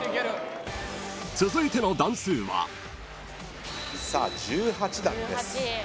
［続いての段数は］さあ１８段です。